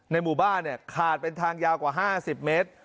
หมู่บ้านขาดเป็นทางยาวกว่า๕๐เมตร